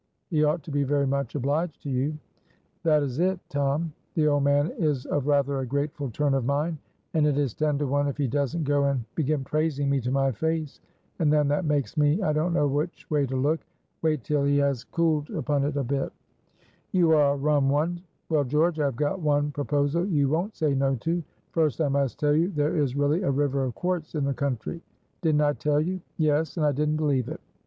he ought to be very much obliged to you." "That is it, Tom. The old man is of rather a grateful turn of mind and it is ten to one if he doesn't go and begin praising me to my face and then that makes me I don't know which way to look. Wait till he has cooled upon it a bit." "You are a rum one. Well, George, I have got one proposal you won't say no to. First, I must tell you there is really a river of quartz in the country." "Didn't I tell you?" "Yes, and I didn't believe it.